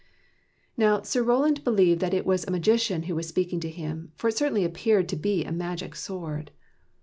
Now Sir Roland believed that it was a magician who was speaking to him, for it certainly appeared to be a magic sword.